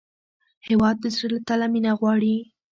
هېواد د زړه له تله مینه غواړي.